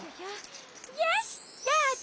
よしどうぞ！